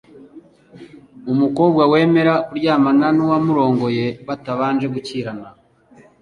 umukobwa wemera kuryamana n'uwamurongoye batabanje gukirana